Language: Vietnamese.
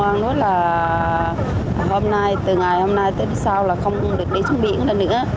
công an nói là hôm nay từ ngày hôm nay tới bữa sau là không được đi xuống biển nữa